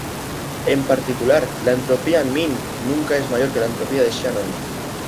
En particular, la entropía min nunca es mayor que la entropía de Shannon.